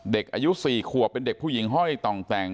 เด็กอายุ๔ขวบเป็นเด็กผู้หญิงห้อยต่องแต่ง